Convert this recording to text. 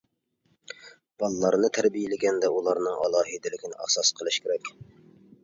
بالىلارنى تەربىيەلىگەندە ئۇلارنىڭ ئالاھىدىلىكىنى ئاساس قىلىش كېرەك.